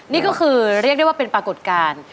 นี่ก็คือเรียกได้ว่าเป็นปรากฏการณ์